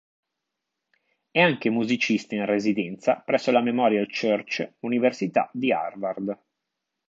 È anche musicista in residenza presso la Memorial Church, Università di Harvard.